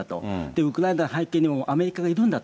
ウクライナの背景にもアメリカがいるんだと。